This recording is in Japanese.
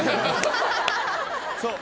そう。